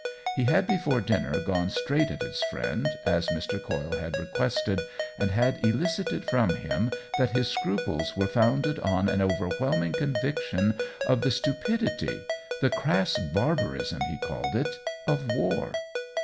He had before dinner gone straight at his friend, as Mr. Coyle had requested, and had elicited from him that his scruples were founded on an over whelming conviction of the stupidity — the "crass barbarism'' he called it — of war.